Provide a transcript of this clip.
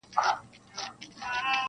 فکر بايد بدل سي ژر,